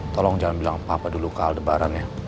tolong jangan bilang apa apa dulu ke aldebaran ya